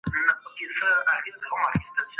مزار شریف د روضي مبارکي له امله ډېر مشهور دی.